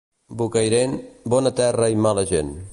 Bocairent, bona terra i mala gent.